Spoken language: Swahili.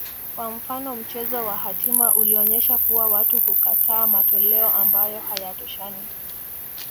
kwa mfano mchezo wa hatima ulionyesha kuwa watu hukataa matoleo ambayo hayatoshani